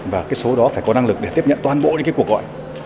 và số đó phải có năng lực để tiếp nhận toàn bộ những cuộc gọi